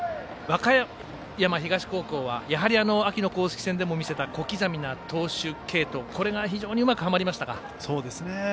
和歌山東高校はやはり秋の公式戦でも見せた小刻みな投手継投が非常にうまく、はまりましたか。